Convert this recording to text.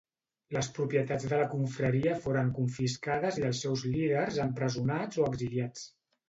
Les propietats de la confraria foren confiscades i els seus líders empresonats o exiliats.